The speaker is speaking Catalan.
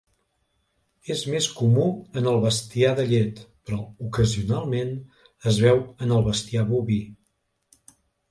És més comú en el bestiar de llet, però ocasionalment es veu en el bestiar boví.